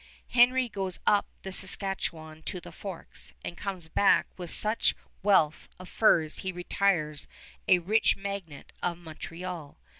Henry goes up the Saskatchewan to the Forks, and comes back with such wealth of furs he retires a rich magnate of Montreal.